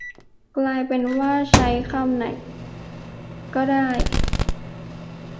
กลายเป็นว่า ใช้คำไหนก็ได้